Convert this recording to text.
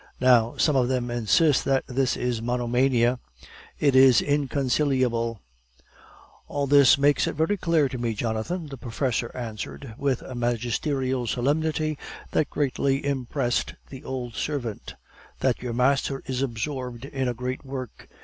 Now, some of them insist that that is monomania. It is inconciliable!" "All this makes it very clear to me, Jonathan," the professor answered, with a magisterial solemnity that greatly impressed the old servant, "that your master is absorbed in a great work.